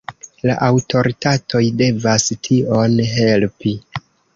La aŭtoritatoj devas tion helpi.